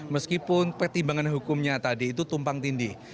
meskipun pertimbangan hukumnya tadi itu tumpang tindih